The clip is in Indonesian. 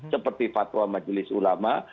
seperti fatwa majelis ulama